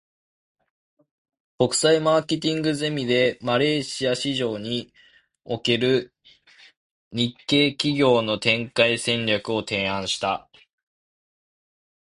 国際マーケティングゼミで、マレーシア市場における日系企業の展開戦略を提案した。